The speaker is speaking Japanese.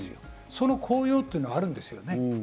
その効用というのはあるんですよ。